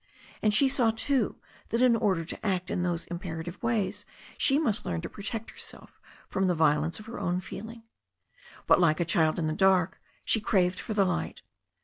And she saw, too, that in order to act in those imperative ways she must learn to protect herself from the violence of her own feeling. But like a child in the dark, she craved for the light.